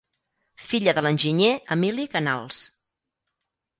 Filla de l'enginyer Emili Canals.